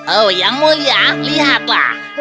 oh yang mulia lihatlah